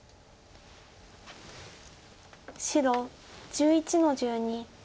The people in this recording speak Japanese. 白１１の十二。